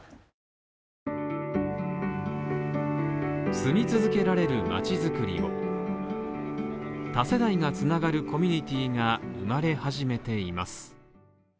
住み続けられるまち作りを多世代が繋がるコミュニティが生まれ始めています。